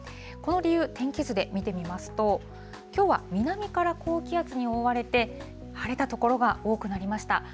この理由、天気図で見てみますと、きょうは南から高気圧に覆われて、晴れた所が多くなりました。